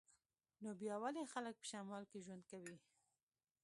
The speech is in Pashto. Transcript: نو بیا ولې خلک په شمال کې ژوند کوي